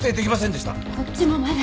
こっちもまだ。